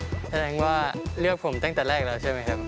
แสดงว่าเลือกผมตั้งแต่แรกแล้วใช่ไหมครับ